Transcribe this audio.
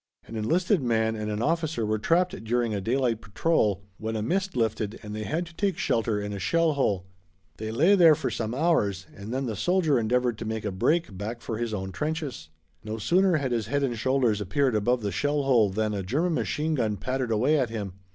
An enlisted man and an officer were trapped during a daylight patrol when a mist lifted and they had to take shelter in a shell hole. They lay there for some hours, and then the soldier endeavored to make a break back for his own trenches. No sooner had his head and shoulders appeared above the shell hole than a German machine gun pattered away at him.